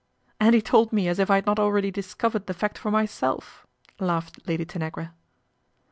" And he told me as if I had not already dis t covered the fact for myself," laughed Lad] Tanagra.